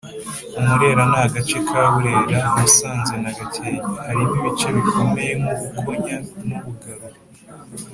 Umurera Ni agace ka Burera, Musanze na Gakenke (harimo ibice bikomeye nk’Ubukonya n’Ubugarura).